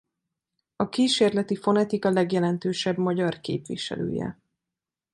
A kísérleti fonetika legjelentősebb magyar képviselője.